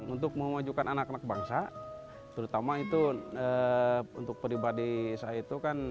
untuk memajukan anak anak bangsa terutama itu untuk pribadi saya itu kan